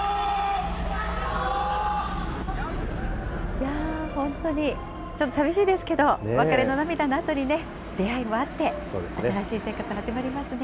いやー、本当にちょっと寂しいですけど、別れの涙のあとにね、出会いもあって、新しい生活始まりますね。